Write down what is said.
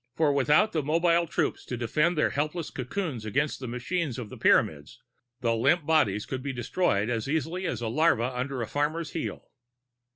For without the mobile troops to defend their helpless cocoons against the machines of the Pyramids, the limp bodies could be destroyed as easily as a larva under a farmer's heel.